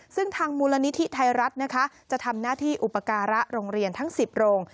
ซึ่งทางมูลนิธิไทยรัฐนะคะจะทำหน้าที่อุปการะโรงเรียนทั้ง๑๐โรง